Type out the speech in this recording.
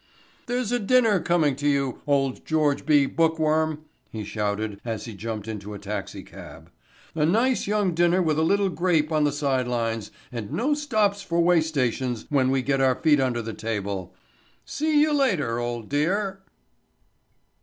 "There's a dinner coming to you, old George B. Bookworm," he shouted as he jumped into a taxicab, "a nice young dinner with a little grape on the sidelines and no stops for way stations when we get our feet under the table. See you later, old dear."